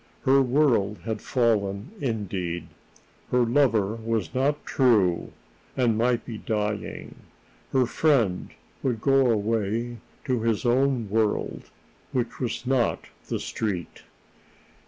Her world had fallen indeed. Her lover was not true and might be dying; her friend would go away to his own world, which was not the Street.